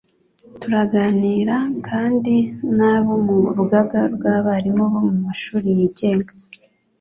Turaganira kandi n'abo mu rugaga rw'abarimu bo mu mashuri yigenga,